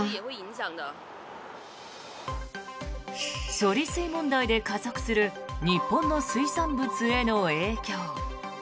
処理水問題で加速する日本の水産物への影響。